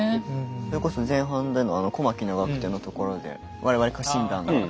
それこそ前半でのあの小牧・長久手のところで我々家臣団が。